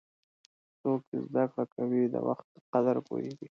څوک چې زده کړه کوي، د وخت قدر پوهیږي.